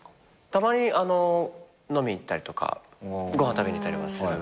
たまに飲み行ったりとかご飯食べに行ったりはするかな。